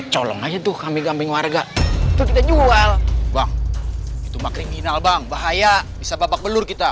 colong aja tuh kami gambing warga tuh kita jual bang itu mah kriminal bang bahaya bisa babak belur kita